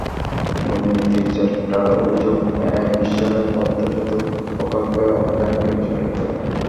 দুর্নীতির চেষ্টার অভিযোগ এনে বিশ্বব্যাংক পদ্মা সেতু প্রকল্পে অর্থায়ন থেকে সরে পড়ে।